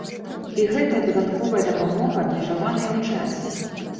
І гэтая дадатковая дапамога абмежаваная ў часе.